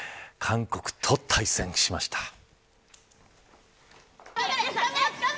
韓国と対戦しました。